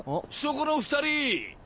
そこの２人！